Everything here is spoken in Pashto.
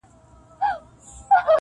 چا راوړي د پیسو وي ډک جېبونه,